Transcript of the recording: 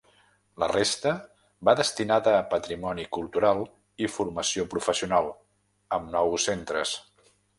La resta va destinada a patrimoni cultural i formació professional, amb nous centres.